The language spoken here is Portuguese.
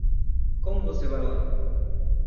Como você vai lá?